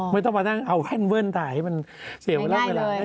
ไม่ต้องมานั่งเอาแว่นถ่ายให้มันเสียเวลา